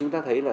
chúng ta thấy là